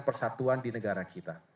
persatuan di negara kita